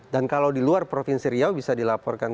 dan kalau di luar provinsi riau bisa dilaporkan